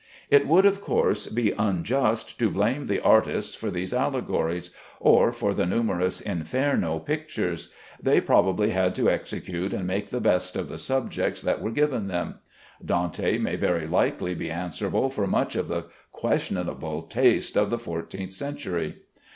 It would, of course, be unjust to blame the artists for these allegories, or for the numerous "Inferno" pictures. They probably had to execute and make the best of the subjects that were given them. Dante may very likely be answerable for much of the questionable taste of the fourteenth century.